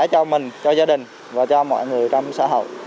cho mình cho gia đình và cho mọi người trong xã hội